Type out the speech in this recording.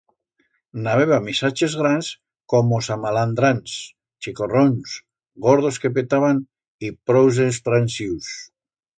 N'habeba misaches grans como samalandrans, chicorrons, gordos que petaban y prous d'estransius.